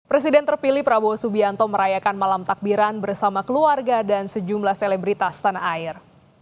presiden terpilih prabowo subianto merayakan malam takbiran bersama keluarga dan sejumlah selebritas tanah air